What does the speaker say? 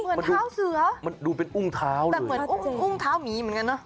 เหมือนเท้าเสือมันดูเป็นอุ้งเท้านะแต่เหมือนอุ้งเท้าหมีเหมือนกันนะ